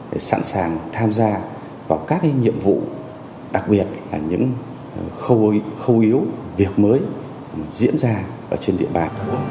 phải sẵn sàng tham gia vào các nhiệm vụ đặc biệt là những khâu yếu việc mới diễn ra ở trên địa bàn